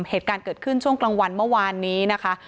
เหตุการณ์เกิดขึ้นช่วงกลางวันเมื่อวานนี้นะคะ